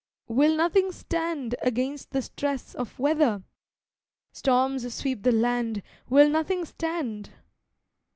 Will nothing stand Against the stress of weather? Storms sweep the land, Will nothing stand?